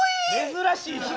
珍しい人！